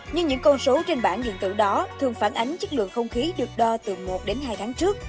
nhưng những con số trên bản điện tử đó thường phản ánh chất lượng không khí được đo từ một đến hai tháng trước